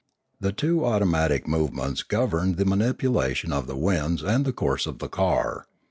The two automatic movements governed the manipulation of the winds and the course of the car.